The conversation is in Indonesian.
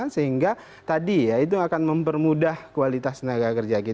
sehingga tadi ya itu akan mempermudah kualitas tenaga kerja kita